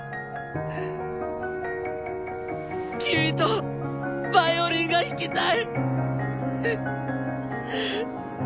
君とヴァイオリンが弾きたい！